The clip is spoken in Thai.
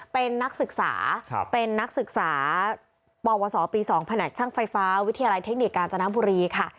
เป็นนักศึกษาเป็นนักศึกษาปวสปี๒แผนกช่างไฟฟ้าวิทยาลัยเทคนิคกาญจนบุรีค่ะ